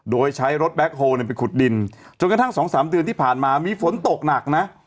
โดยใช้รถแบ็คโฮลไปขุดดินจนกระทั่ง๒๓เดือนที่ผ่านมามีฝนตกหนักนะ